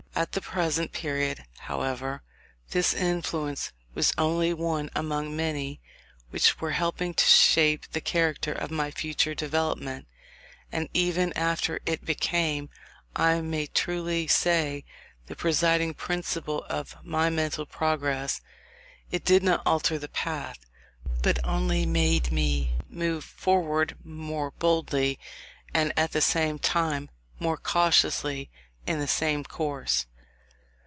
At the present period, however, this influence was only one among many which were helping to shape the character of my future development: and even after it became, I may truly say, the presiding principle of my mental progress, it did not alter the path, but only made me move forward more boldly, and, at the same time, more cautiously, in the same course.